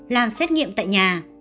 làm xét nghiệm tại nhà